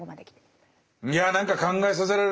いや何か考えさせられることがね。